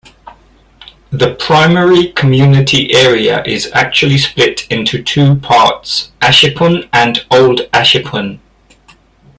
The primary community area is actually split into two parts, Ashippun and Old Ashippun.